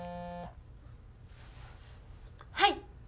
はい。